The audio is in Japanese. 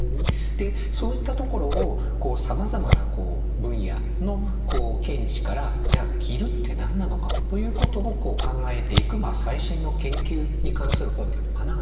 でそういったところをこうさまざまな分野の見地からじゃあ着るって何なのかということを考えていく最新の研究に関する本なのかなあというのがこの一冊なんですね。